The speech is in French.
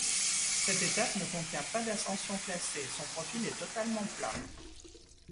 Cette étape ne contient pas d'ascension classée, son profil est totalement plat.